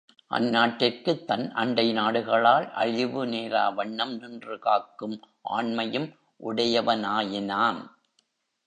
அந்நாட்டிற்குத் தன் அண்டை நாடுகளால் அழிவு நேராவண்ணம் நின்று காக்கும் ஆண்மையும் உடையவனாயினான்.